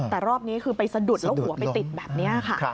แต่รอบนี้คือไปสะดุดแล้วหัวไปติดแบบนี้ค่ะ